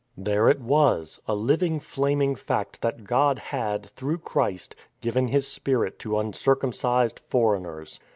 There it was — a living flaming fact that God had, through Christ, given His Spirit to uncircumcised foreigners.